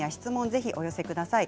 ぜひお寄せください。